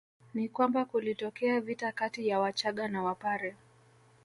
Ni kwamba kulitokea vita kati ya Wachaga na Wapare